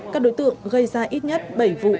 các đối tượng gây ra ít nhất bảy vụ